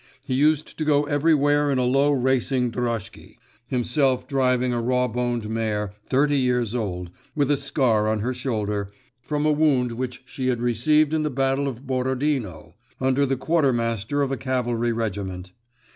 He used to go everywhere in a low racing droshky, himself driving a rawboned mare, thirty years old, with a scar on her shoulder, from a wound which she had received in the battle of Borodino, under the quartermaster of a cavalry regiment.